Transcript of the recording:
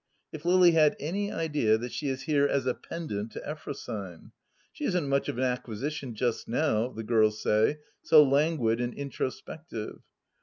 If Lily had any idea that she is here as a pendant to Effro syne ! She isn't much of an acquisition just now, the girls say, so languid and introspective.